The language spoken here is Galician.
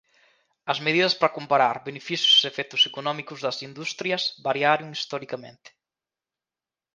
As medidas para comparar beneficios e efectos económicos das industrias variaron historicamente.